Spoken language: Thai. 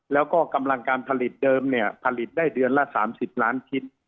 แล้วก็กำลังการผลิตเดิมเนี่ยผลิตได้เดือนละ๓๐ล้านชิ้น